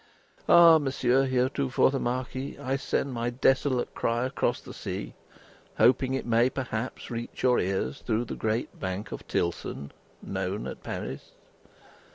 Ah Monsieur heretofore the Marquis, I send my desolate cry across the sea, hoping it may perhaps reach your ears through the great bank of Tilson known at Paris!